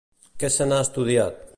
Què se n'ha estudiat?